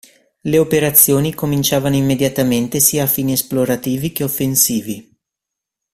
Le operazioni cominciavano immediatamente sia a fini esplorativi che offensivi.